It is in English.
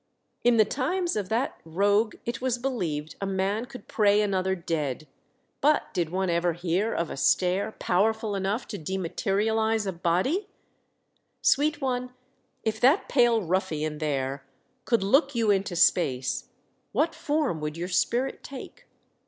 "In the times of that WE SIGHT A SAIL. 345 rogue it was believed a man could pray another dead ; but did one ever hear of a stare powerful enough to dematerialise a body ? Sweet one, if that pale ruffian there could look you into space, what form would your spirit take